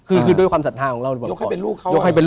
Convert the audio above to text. คือคือด้วยความศรัทธาของเราบอกยกให้เป็นลูกเขายกให้เป็นลูก